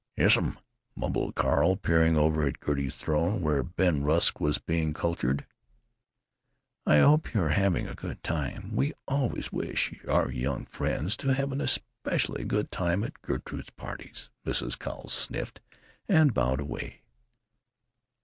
"Yessum," mumbled Carl, peering over at Gertie's throne, where Ben Rusk was being cultured. "I hope you are having a good time. We always wish our young friends to have an especially good time at Gertrude's parties," Mrs. Cowles sniffed, and bowed away.